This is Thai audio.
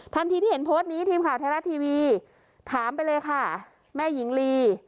ที่เห็นโพสต์นี้ทีมข่าวไทยรัฐทีวีถามไปเลยค่ะแม่หญิงลี